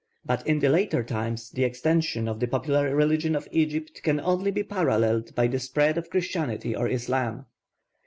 But in the later times the extension of the popular religion of Egypt can only be paralleled by the spread of Christianity or Islam.